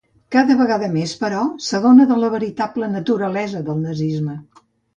Cada vegada més, però, s'adonà de la veritable naturalesa del nazisme.